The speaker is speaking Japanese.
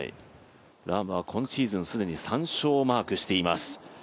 ラームは今シーズン既に３勝をマークしています。